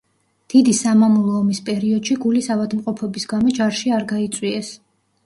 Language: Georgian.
დიდი სამამულო ომის პერიოდში გულის ავადმყოფობის გამო ჯარში არ გაიწვიეს.